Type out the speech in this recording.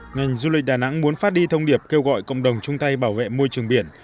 ngành du lịch đà nẵng muốn phát đi thông điệp kêu gọi cộng đồng chung tay bảo vệ môi trường biển